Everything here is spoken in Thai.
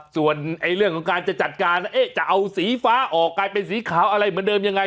ส่วนเรื่องของการจะจัดการจะเอาสีฟ้าออกกลายเป็นสีขาวอะไรเหมือนเดิมยังไง